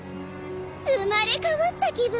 生まれ変わった気分！